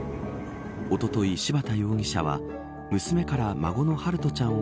おととい、柴田容疑者は娘から孫の陽翔ちゃんを